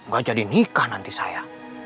gak jadi nikah nanti saya